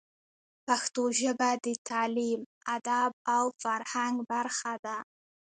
پښتو ژبه د تعلیم، ادب او فرهنګ برخه ده.